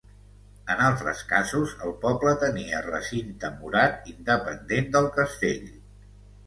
En altres casos, el poble tenia recinte murat independent del castell.